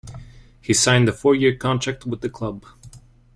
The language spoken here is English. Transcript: He signed a four-year contract with the club.